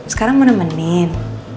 sekarang mau nemenin